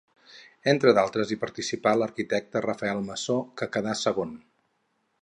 Entre d'altres hi participà l'arquitecte Rafael Masó que quedà segon.